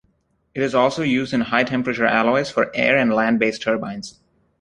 It is also used in high-temperature alloys for air- and land-based turbines.